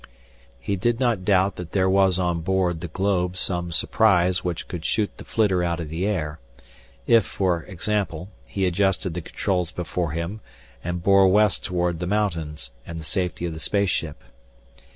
He did not doubt that there was on board the globe some surprise which could shoot the flitter out of the air, if, for example, he adjusted the controls before him and bore west toward the mountains and the safety of the space ship.